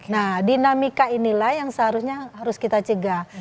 nah dinamika inilah yang seharusnya harus kita cegah